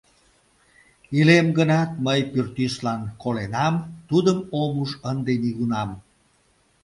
Илем гынат, мый пӱртӱслан коленам, тудым ом уж ынде нигунам!..